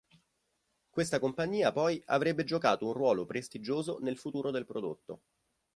Questa compagnia poi avrebbe giocato un ruolo prestigioso nel futuro del prodotto.